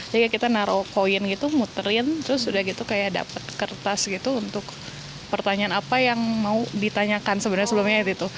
jadi kita naruh koin gitu muterin terus udah gitu kayak dapet kertas gitu untuk pertanyaan apa yang mau ditanyakan sebenarnya sebelumnya gitu